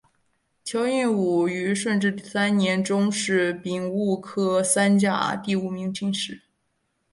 乔映伍于顺治三年中式丙戌科三甲第五名进士。